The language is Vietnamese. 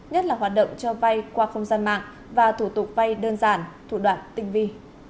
nhất là hoạt động cho vay qua không gian mạng và thủ tục vay đơn giản thủ đoạn tinh vi